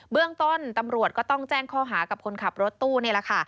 เรื่องต้นตำรวจก็ต้องแจ้งข้อหากับคนขับรถตู้นี่แหละค่ะ